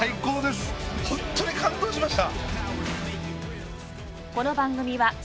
ホントに感動しました。